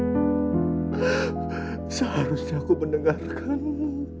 mereka berniat menangkapnya